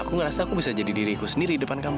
aku gak rasa aku bisa jadi diriku sendiri depan kamu